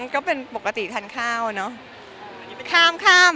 ก็เป็นปกติทานข้าวเนอะ